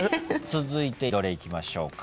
続いてどれいきましょうか？